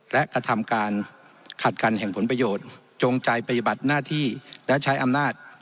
และกระทำการขัดกันแห่งผลประโยชน์จงใจปฏิบัติหน้าที่และใช้อำนาจ